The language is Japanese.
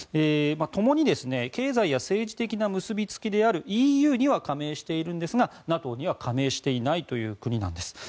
ともに経済や政治的な結びつきであるＥＵには加盟しているんですがＮＡＴＯには加盟していない国なんです。